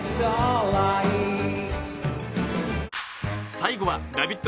最後はラヴィット！